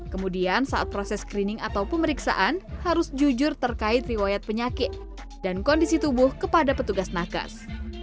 kemudian saat proses screening atau pemeriksaan harus jujur terkait riwayat penyakit dan kondisi tubuh kepada petugas nakas